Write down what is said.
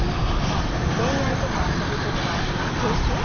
恋愛とか遊びとか青春？